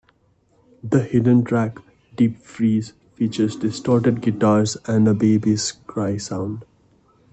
The hidden track "Deep Freeze" features distorted guitars and a baby's cry sound.